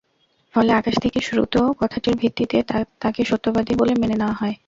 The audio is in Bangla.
ফলে আকাশ থেকে শ্রুত কথাটির ভিত্তিতে তাকে সত্যবাদী বলে মেনে নেওয়া হয়।